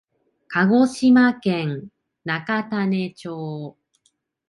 鹿児島県中種子町